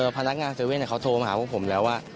พนักงานเซเว่นเขาโทรมาหาผมแล้วว่า